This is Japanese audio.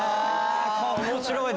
面白い！